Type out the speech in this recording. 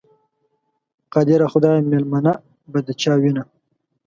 قادره خدایه، مېلمنه به د چا وینه؟